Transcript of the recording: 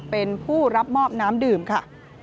เป็นผู้รับมอบน้ำดื่มค่ะ